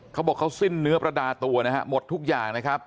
เขาบอกเขาสิ้นเนื้อประดาตัวนะฮะหมดทุกอย่างนะครับ